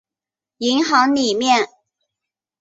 银行里面